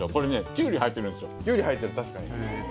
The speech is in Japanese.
きゅうり入ってる確かに。